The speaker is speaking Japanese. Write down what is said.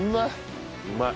うまい！